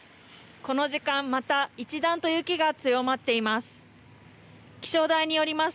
この時間また一段と雪が強まっています。